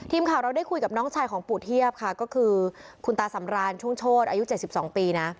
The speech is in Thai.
ทีมข่าวเราได้คุยกับน้องชายของปู่เทียบค่ะก็คือคุณตาสำราญช่วงโชธอายุ๗๒ปีนะ